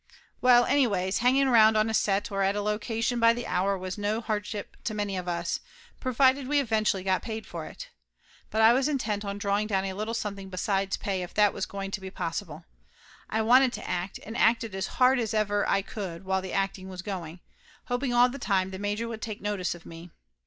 Well, anyways, hanging around on a set or a loca tion by the hour was no hardship to many of us, pro vided we eventually got paid for it. But I was intent on drawing down a little something besides pay if that was going to be possible. I wanted to act, and acted as hard as ever I could while the acting was going, hoping all the time the major would take notice of me.